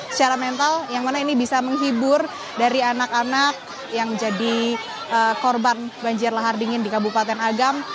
secara mental yang mana ini bisa menghibur dari anak anak yang jadi korban banjir lahar dingin di kabupaten agam